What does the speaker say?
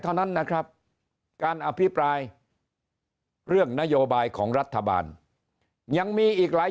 เท่านั้นนะครับการอภิปรายเรื่องนโยบายของรัฐบาลยังมีอีกหลาย